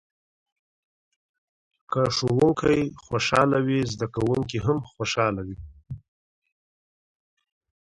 که ښوونکی خوشحاله وي زده کوونکي هم خوشحاله وي.